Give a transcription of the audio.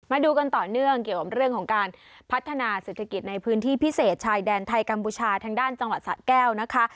มาดูกันต่อเนื่องเกี่ยวกับเรื่องของการพัฒนาเศรษฐกิจในพื้นที่พิเศษชายแดนไทยกัมพูชาทางด้านจังหวัดสะแก้วนะคะ